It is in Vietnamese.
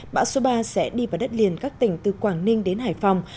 bão số ba sẽ đi vào đất liền các tỉnh từ quảng ninh đến hải phòng